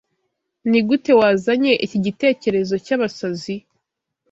Nigute wazanye iki gitekerezo cyabasazi?